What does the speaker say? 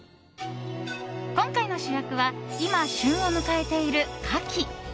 今回の主役は今、旬を迎えているカキ。